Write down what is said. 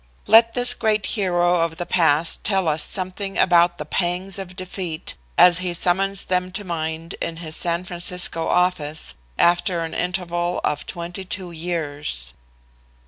Let this great hero of the past tell us something about the pangs of defeat as he summons them to mind in his San Francisco office after an interval of twenty two years.